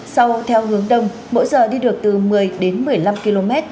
sau theo hướng đông mỗi giờ đi được từ một mươi đến một mươi năm km